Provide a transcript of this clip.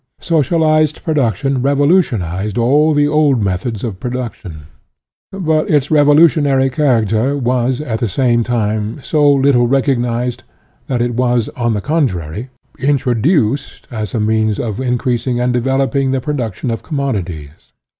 Socialized produc tion revolutionized all the old methods of production. But its revolutionary character was, at the same time, so little recognized, that it was, on the contrary, introduced as a means of increasing and developing the production of commodities.